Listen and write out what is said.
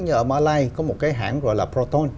ở mà lai có một cái hãng gọi là proton